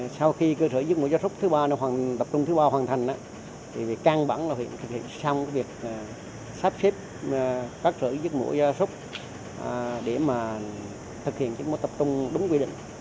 sau khi cơ sở giết mổ da súc thứ ba tập trung thứ ba hoàn thành thì căng bẳng là huyện thực hiện xong việc sắp xếp các cơ sở giết mổ da súc để mà thực hiện các mối tập trung đúng quy định